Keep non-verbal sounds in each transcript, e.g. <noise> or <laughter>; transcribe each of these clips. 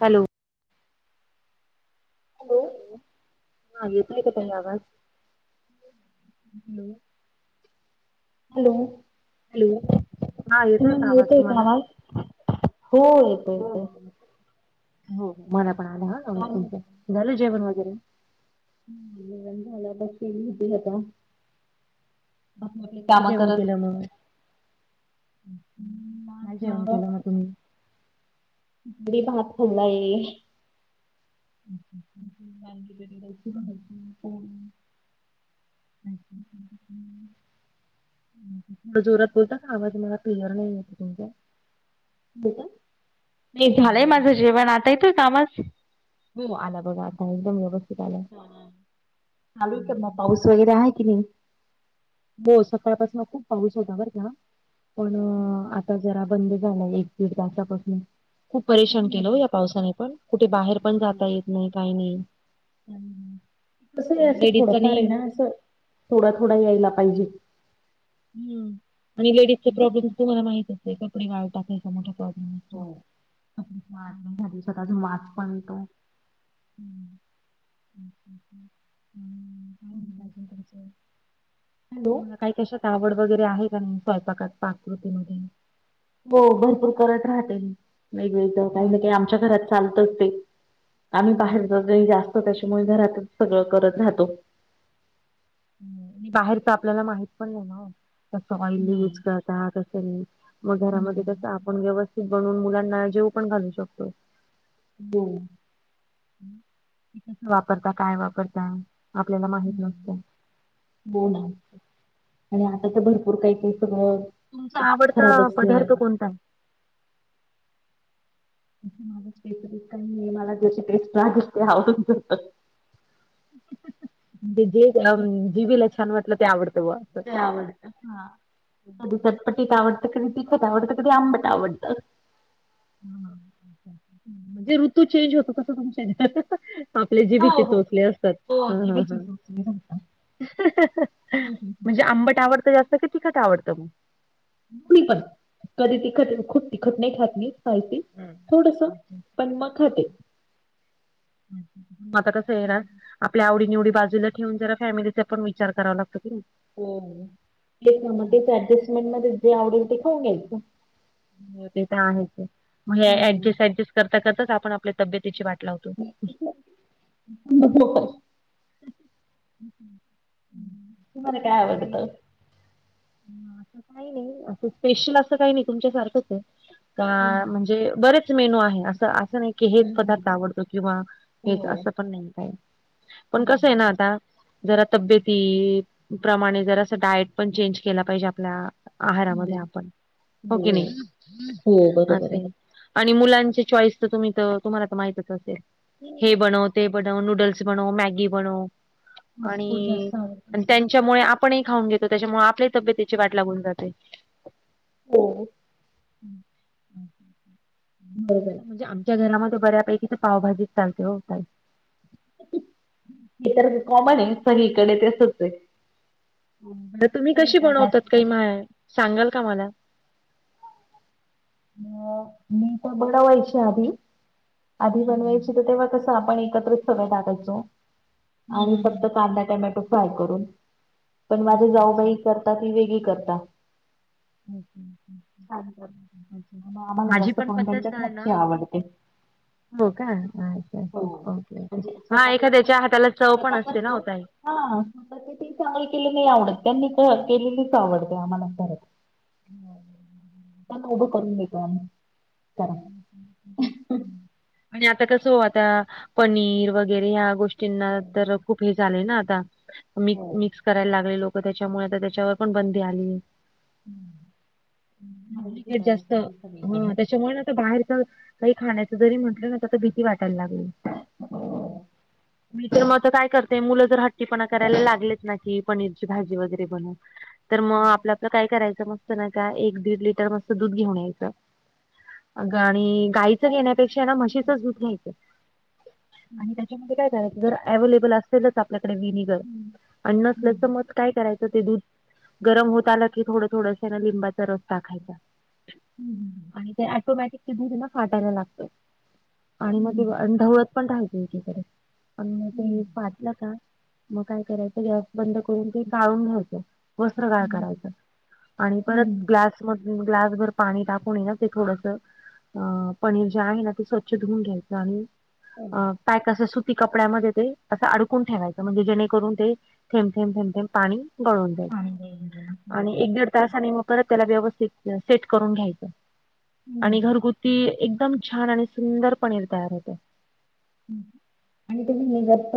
Hello! Hello! हा येतोय का ताई आवाज,? हो. हॅलो! हॅलो! हा तुम्हाला आवाज येतोय का तुम्हाला आवाज? होय. हो, हो मला पण आला हा आवाज काय तुमचा, म्हणता झालं जेवण वगैरे? जेवण झाल झालं आता फिरून होतिल आता. आपली आपली काय कामं जेवण करत. केलं मग? काय जेवण माझ केलं मग तुम्ही? मी भात खाल्लाये. कोण <unintelligible> थोडं जोरात बोलता का? आवाज मला क्लीअर नाही येत तुमचा. होका, नाही झालंय माझं जेवण, आता येतोय का आवाज? हो, आला बघा आता एकदम व्यवस्थित आला. चालूय का मग पाऊस वगैरे आहे की नाही.? हो सकाळ पासनं खूप पाऊस होता बर का, पण हम्म. अ, आता जरा बंद झाला एक दीड तासापासून. खूप परेशान केलं हो हम्म या पावसाने पण, कुठे बाहेर पण जाता येत नाही काय नाही. कसं आहे असं लेडीजा नि थोडंफार आहे ना <unintelligible> असं थोडा थोडा यायला पाहिजे. हम्म, आणि लेडीज चे प्रॉब्लेमस हो तुम्हाला माहितच आहे, कपडे वाळु टाकायचा मोठा प्रॉब्लेम. असतो. हो, वाळत हम्म पण नाही स्वतःच वास पण येतो. हम् का <inaudible> हॅलो तुम्हाला काही कशात आवड वगैरे आहे का नाही?, स्वयंपाकात पाककृतीमध्ये. हो भरपूर करत राहते मी, वेगवेगळ काही हो ना काही, हो. आमच्या घरात चालतच ते. आम्ही हो ना बाहेर जात नाही जास्त त्याच्यामुळे घरातच सगळं करत राहतो. आणि बाहेरच आपल्याला माहित पण नाही ना ओ, कसं ऑइल युज हम्म कर राहत असेल, मग घरामध्ये हम्म कसं आपण व्यवस्थित बनवून मुलांना जेऊ पण घालू शकतो. हो. ते कसं वापरता काय वापरता, आपल्याला माहित हम्म नसतं. हो ना, आणि आता त भरपूर काही काही सगळं तुमचा आवडता खराबच पदार्थ निघालं कोणताय? मला असं काही नाही, मला ज्याची टेस्ट आवडते ते आवडतं. म्हणजे जे जीभेला छान वाटलं ते आवडतं ब्वा. आवडतं, हां, कधी चटपटीत आवडतं, कधी तिखट आवडतं, कधी आंबट आवडतं. जे ऋतू चेंज होतो तसं तुमच हे आपल्या जीभीचे हो हो चोचले असतात,, हो हा हा जिभेची हा. चव राहता म्हणजे आंबट आवडतं जास्त का तीखट आवडतं मग? मी पण कधी तिखट खुप तिखट नाही खात मी. स्पायसी थोडस हम्म. पण म खाते. <inaudible> आता कसं येणार? हम्म. आपल्या आवडी निवडी बाजूला ठेवून जरा फॅमिलीचा पण विचार करावा लागतो की नी. <unintelligible> तेच ना मग तेच ऍडजस्टमेंट मध्ये जे आवडेल ते खाऊन घ्यायचं. हो ते तर आहेच मग हे हम्म. ऍडजस्ट ऍडजस्ट करता करताच आपण आपल्या तब्यतीची वाट लावतो. <inaudible> हो तुम्हाला काय आवडतं? म असं काही नाही स्पेशल असं काही नाही तुमच्या सारखंच आहे. का हम्म. म्हणजे बरेच मेनू आहे असं असं नाही की हेच हम्म. पदार्थ आवडतो किंवा हेच हो. असं पण नाही काय. पण कसं आहे ना हम्म. आता जरा तब्येती प्रमाणे जरासा डायट पण चेंज केला पाहिजे आपला. आहारामध्ये हम्म. आपण हो की नाही हो बरोबर आहे. असे. आणि मुलांची चॉईस तर तुम्ही तर तुम्हाला तर माहितच असेल हे बनवते ते बनव नूडल्स बनव, मॅगी बनव फास्ट फूड आणि जास्त आवडत. त्यान च्यामुळे आपणही खाऊन घेतो त्याच्यामुळे आपल्याही तब्येतीची वाट लागून जाते. हो. <inaudible> बरोबर आहे. कसा म्हणजे आम च्या घरामध्ये बऱ्यापैकी ते पावाभाजी चालते हो ताई. हे तर कॉमन आहे सगळीकडे तसेच आहे. हो बरं तुम्ही कशी सगळीकडे बनवतात जास्त काही माय सांगाल का मला? मग मी तर बडवायची आदी आदी हम्म बनवायची तर तेव्हा कसं आपण एकत्र सगळे टाकायचो हम्म आणि फक्त हम्म कांदा टॅमेटो फ्राय करून पण माझे अच्छा अच्छा जाऊबाई करता ती वेगळी करता <inaudible> म आम्हाला माझी जास्त पण करून त्यांच्या पद्धत आहे ना हातची आवडते. हो का अच्छा हो अच्छा ओके ओके म्हणजे हा स्वतःपेक्षा एखाद्याच्या हाताला चव पण असते ना हो ताई. हां <unintelligible> चांगली केले नाही आवडत त्यांनी तर केलेलीच आवडते आम्हाला परत. <inaudible> त्यांला उद्या करून देतो आम्ही करा. <inaudible> आणि आता कसं हो आता पनीर वगैरे या गोष् टिंना हो तर खूप हे झालं ना आता मीक हो मिक्स कराय लागले लोकं त्याच्यामुळे आता त्याच्यावर पण बंदी आली. फारच डुप्लिकेट घोटाळे जास्त चालू आहे सगळीकडे हा त्याच्यामुळे ना ते बाहेरच काही खाण्याच जरी म्हंटलं ना तर भीती वाटायला लागली. हो हो. मी तर म आता काय करते मुलं जर हट्टीपणा करायला लागलेत ना की पनीरची भाजी वगैरे बनव तर म हम्म आपला काय करायचं मस्त ना का एक दीड लिटर मस्त दूध घेऊन यायचं अगं आणि गाईचं घेण्यापेक्षा मशीचाच दूध घ्यायचं. आणि पाणी त्याच्यामध्ये काय करायचं जर अव्लेबल असेलच आपल्याकडे विनिगर अन् नसलं तर मग काय करायचं ते दूध. गरम होत आला की थोडं थोडस लिंबाचा रस टाकायचा आणि ते ऑटोमॅटिकली दूधेन फाटायला लागतं आणि म ते ढवळत पण राहा एकीकडे अन म ते फाटलं का म काय करायचं गॅस बंद करून ते गाळून घ्यायचं, वस्त्र गाळ करायचं आणि परत ग्लास मध ग्लासभर पाणी टाकून ये ना ते थोडसं अं पनीर जे आहे ना ते स्वच्छ धुऊून घ्यायचं आणि अ पॅक असं सुती कपड्यामध्ये ते असं अडकून ठेवायचं म्हणजे जेणेकरून ते थेंब थेंब थेंम थेंम पाणी गाळून घ्यायचं गळून आणि एक दीड तासाने म परत त्याला व्यवस्थित सेट करून घ्यायचं आणि घरगुती एकदम छान आणि सुंदर पनीर तयार होतं. अणी तुम्ही हे जस्त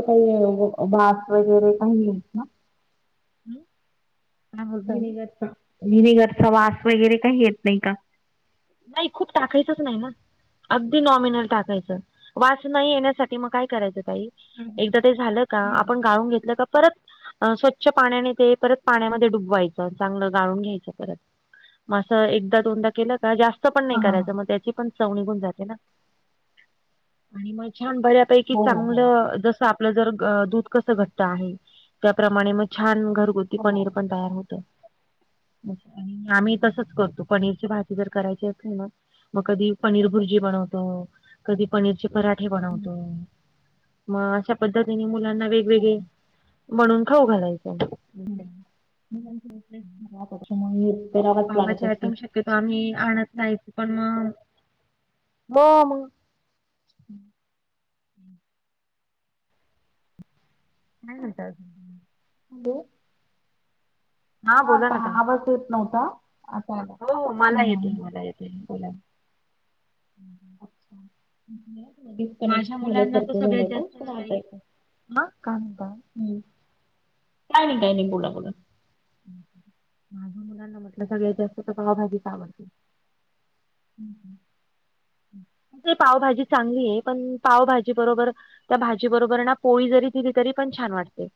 <unintelligible> ना <inaudible> वीनेगरचा, विनेगरचा वास वगैरे काही येत नई का? नाई खूप टाकायचंच नाई ना. अगदी नॉमिनल टाकायचं वास नाई येण्यासाठी म काय करायचं ताई एकदा ते झालं का आपण गाळून घेतलं का परत अ स्वच्छ पाण्याने ते परत पाण्यामध्ये डुबवायचं चांगलं गाळून घ्यायचं परत. म असं एकदा दोनदा केलं का जास्त पण हा नई हा हा करायचं म त्याची पण चव निघून जाते ना आणि म छान बऱ्यापैकी हो हो हो चांगलं जस आप -पलं जर दूध कसं घट्ट आहे त्याप्रमाणे म छान घरगुती हो पनीर हो पण छान होतं मग अनी हो आम्ही तसंच करतो पनीरची भाजी् जर करायचे असेल न म कधी पनीर भुजी बनवतो कधी पनीरचे पराठ् -ठे बनवतो म अशा पद्धतीने मुलांना हो. वेगवेगळे म्हणून खाऊ घालायचं. ह <unintelligible> पावाचे आयटम शक्यतो आम्ही आणत नाईत पण म काय म्हणता अजुन? हॅलो, हा बोला आता ना ताई. आवाज येत नव्हता. आता आला हो मला येतोय मला येतोय बोला. <unintelligible> माझ्या डिस्कनेक्ट झालं मुलांना तर सारखं सगळ्यात झालं जास्त ना ताई तर. <unintelligible> हा काय म्हणता? हम काय नई काय नई बोला बोला. माझ्या मुलांना म्हटलं सगळ्यात जास्त त पाव भाजीच आवडते. हम्म हम्म. पावभाजी चांगली ये पण पावभाजी बरोबर. त्या भाजी बरोबर ना पोळी जरी दिली तरी पण छान वाटते.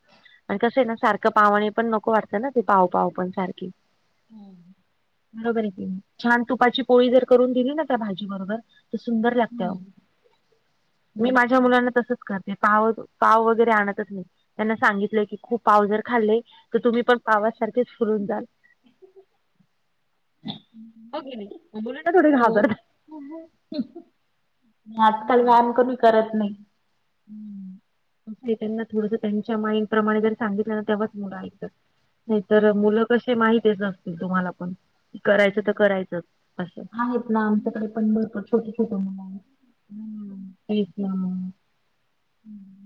आणि कसं ये ना सारखं पावाने पण नको वाटतं ना ते पाव पाव पण सारखी. <inaudible> बरोबर ये की नी, छान तुपाची पोळी जर करून दिली ना त्या भाजी बरोबर सुंदर लागते आओ हम्म. मी बोला माझ्या मुलांना तसंच कर ते पावच् पाव वगैरे आणतच नई. त्यांना सांगितलंय की खूप पाव जर खाल्ले तर तुम्ही पण पावासारखेच फुलून जाल. हो की नई म मूलं न थोडे हो घाबरतात. आजकाल हा. व्यायाम कोणी करत नई. हम्म. त्यांना थोडंस त्यांच्या माइंड प्रमाणे जर सांगितलं ना तेव्हाच मुलं ऐकतात. नाही तर हम्म. मुलं कशे माहितेच असतील तुम्हाला पण? करायचं तर हम्म. करायचंच असं आहेत ना आमच्याकडे पण भरपूर <unintelligible> हम्म, तेच ना,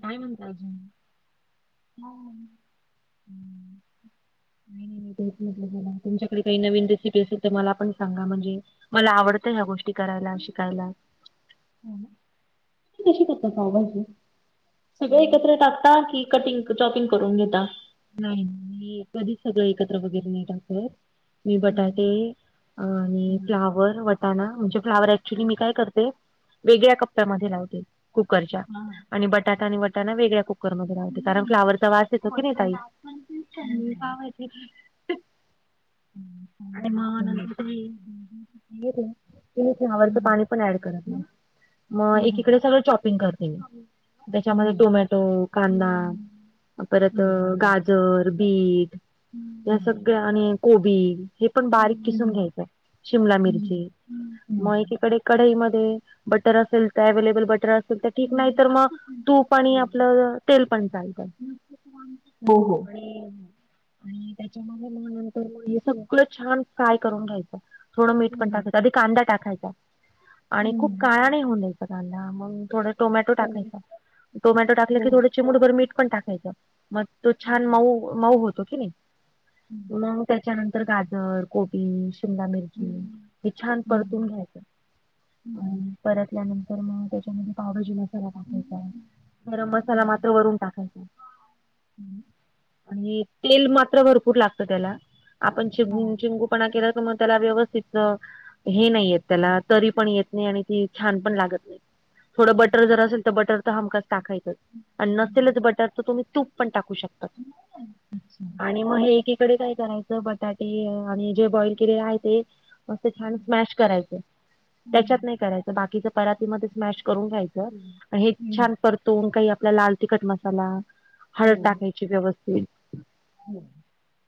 काय म्हणता? अजून? <unintelligible> <inaudible> <unintelligible> तुमच्याकडे काही नवीन रेसिपी असेल तर मला पण सांगा? म्हणजे मला आवडतं ह्या गोष्टी करायला, शिकायला तुम्ही कशी करता पावभाजी, सगळं हम्म. एकत्र टाकता की कटिंग- चॉपिंग करून घेता? नाही मी कधीच सगळं, एकत्र वगैरे नाही टाकत मी हा बटाटे आणि हम्म. फ्लॉवर, वटाणा म्हणजे फ्लॉवर ऍक्च्युली मी काय करते ते वेगळ्या कप्प्यामध्ये लावते कूकरच्या हा आणि बटाटा आणि वटाणा वेगळ्या कुकरमध्ये लावते, कारण फ्लॉवरचा वास येतो की नाही ताई? मी हम्म. पावभाजी हम्म. आणि म हम्म. हम्म. नंतर मी घेते <unintelligible> फ्लॉवरच पाणी पण ऍड करत नाय, म हम्म. एकीकडे सगळं चॉपिंग करते त्याच्यामध्ये हम्म. टोमॅ टो, कांदा परत हम्म. हम्म. गाजर, बीट त्या हं, सगळ्या आणि कोबी हे पण बारीक हं, किसून घ्यायचंय, शिमला हं, मिरची, म हं, एकीकडे कढईमध्ये बटर असेल त, अवे्लेबल बटर असेल तर ठीक, नाही तर मग तूप पणी हं. आपलं तेल पण चालतं. हो, हो आणि-आणि त्याच्यामध्ये म नंतर मग हे सगळं छान फ्राय करून घ्यायचं थोडं मीठ हं, पण हं, टाकायचं, आधी कांदा टाकायचा आणि हं, खूप हं. काळा नई होऊन द्यायचा <unintelligible> मग थोडा टोमॅटो हो, टाकायचा टोमॅटो टाकला की हो, थोडी चिमूटभर मीठ पण टाकायचं मग तो हो. छान मऊ मऊ होतो की नई? हं, मग त्याच्यानंतर गाजर, कोबी, शिमला मिरची हं, हे छान परतून हं, घ्यायचं. अ हं, परतल्यानंत तर, मग त्याच्यामध्ये पावभाजी मसाला टाकायचा आहे गरम मसाला हं, मात्र वरून टाकायचा. <inaudible> आणि तेल मात्र भरपूर लागतं त्याला, आपण हां, <unintelligible> पणा केला तर मग त्याला व्यवस्थित हे नाही येत त्याला, तरी पण येत नाही आणि ती छान पण लागत नाही. थोडं बटर जर हं. असेल, तर बटर तर हमखास टाकायचंच आणि नसेलच बटर तर तुम्ही तूप पण टाक वू शकतं.. अच्छा. आणि मग हे एकीकडे काय करायचं, बटाटे आणि जे बॉइल केलेले आहे ते मस्त छान हं, स्मॅश करायचं, त्याच्यात हं, नाही करायचं बाकीचं परातीमध्ये स्मॅश करून घ्यायचं. हं, <unintelligible> हे हं. छान परतून काही आप लाल तिखट मसाला, हळद ची व्यवस्थित. हं.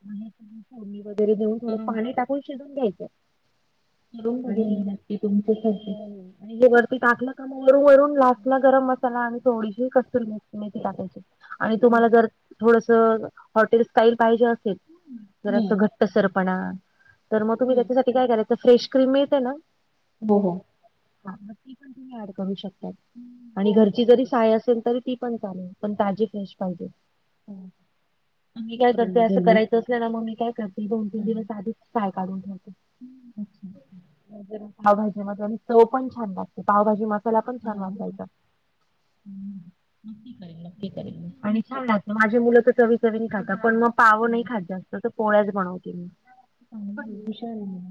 आणि फोडणी वगैरे देऊन, थोडं करून पाणी टाकून शिजवून घ्यायचं. करून बघेन आणि मी नक्की तुमच्यासारखी. हो, आणि हे वरती टाकलं का मग वरू वरून लास्टला गरम मसाला आणि थोडीशी कस्तूरी मेथी मेथी टाकायची आणि हां, तुम्हाला हां. जर थोडसं हॉटेल स्टाईल पाहिजे असेल जरा हं, घट्टसरपणा तर मग तुम्ही हं. त्याच्यासाठी काय करायचं, फ्रेश क्रीम मिळते ना हो हो. हा मग ती पण तूम्ही ऍड करू शकत्याय आणि ओके, घरची जरी ओके. साय असेल तरी ती पण चालेल पण ताजी फ्रेश पाहिजे. हो. मी नक्की काय करून करते असं बघेल मी. करायचं असलं ना मग मी काय करते दोन तीन हं. दिवस आधीच साय काढून ठेवते. अच्छा. पावभाजी मसाल्याने चव पण छान लागते. पावभाजी म त्याला पण छान वाटायचं. हम्म. नक्की काय हे. हम्म हम्म आणि छान माझी मुलं तर, चवी चवीने खातात. पण मग पाव हो. नाही खात जास्त तर पोळ्याच बनवते मी. चांगली आहे हुशार आहे <unintelligible> मुलं.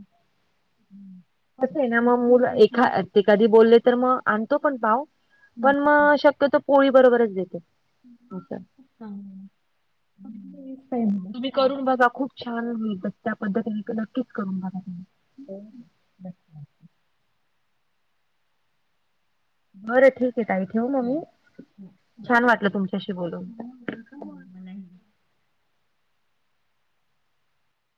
कसं आहे ना, मग मुलं एखा एखाधी बोलले तर मग आणतो पण पाव. हम्म, पण मग शक्यतो पोळी बरोबरच देते मी पण. <inaudible> तुम्ही करून बघा, खूप छान, त्या पद्धतीने नक्कीच करून बघा तुम्ही. <unintelligible> बरं, ठीक आहे ताई, ठेवू मग हो. मी. हो. छान वाटलं तुमच्याशी बोलून. हम्म मग नाही.